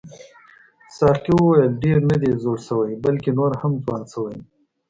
ساقي وویل ډېر نه دی زوړ شوی بلکې نور هم ځوان شوی دی.